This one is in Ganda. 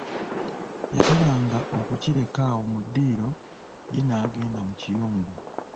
Yateranga okukireka awo mu ddiiro, ye n'agenda mu kiyungu.